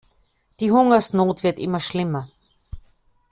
Die Hungersnot wird immer schlimmer.